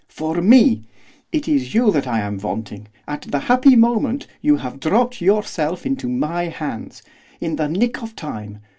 for me! It is you that I am wanting, at the happy moment you have dropped yourself into my hands, in the nick of time.